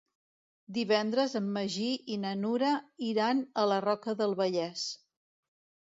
Divendres en Magí i na Nura iran a la Roca del Vallès.